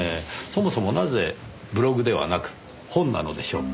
そもそもなぜブログではなく本なのでしょう？